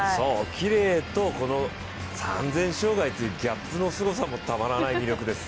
きれいとこの３０００障害というギャップもたまらないです。